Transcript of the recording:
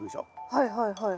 はいはいはいはい。